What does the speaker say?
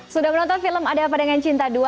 sudah menonton film ada apa dengan cinta dua